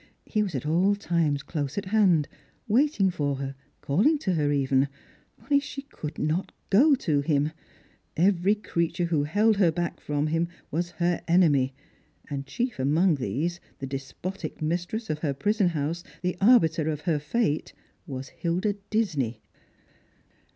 He was at all times close at hand, waiting for her, calling to her even, only she could not go to him. Every creature who held her back from_ him was her enemy ; and chief among these, the despotic mistress of her prison house, the arbiter of her fate, was Hilda Disney.